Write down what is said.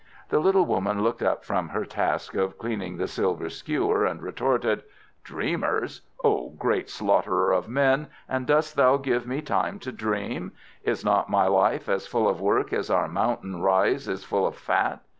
The little woman looked up from her task of cleaning the silver skewer, and retorted: "Dreamers! Oh, great slaughterer of men, and dost thou give me time to dream? Is not my life as full of work as our mountain rise is full of fat?